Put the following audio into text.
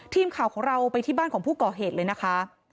ทีมข่าวของเราไปที่บ้านของผู้ก่อเหตุเลยนะคะ